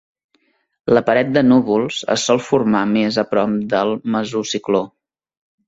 La paret de núvols es sol formar més a prop del mesocicló.